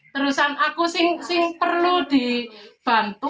terusan aku sing perlu dibantu